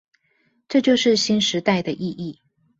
這就是新時代的意義